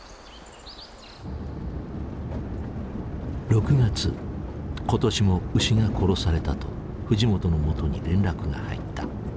６月今年も牛が殺されたと藤本のもとに連絡が入った。